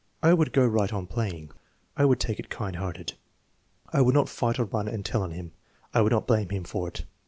"I would go right on playing." "I would take it kind hearted." "I would not fight or run and tell on him." "I would not blame him for it."